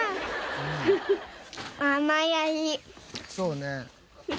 そうね。